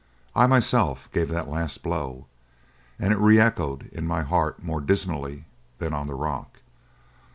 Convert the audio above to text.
I myself gave that last blow, and it re echoed in my heart more dismally than on the rock.